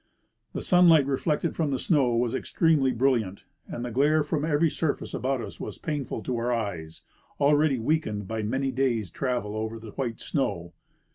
The sun light reflected from the snow Avas extremely brilliant, and the glare from every surface about us was painful to our eyes, already weakened by many days' travel over the white snow.